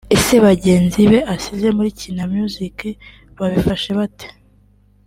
Ese bagenzi be asize muri Kina Music babifashe bate